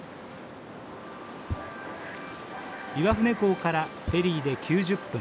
岩船港からフェリーで９０分。